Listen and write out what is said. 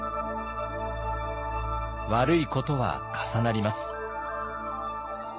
悪いことは重なります。